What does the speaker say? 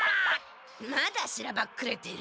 まだしらばっくれてる。